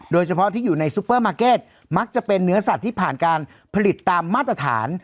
โดยเฉพาะที่อยู่ในซูเปอร์มาร์เก็ตมักจะเป็นเนื้อสัตว์ที่ผ่านการผลิตตามมาตรฐาน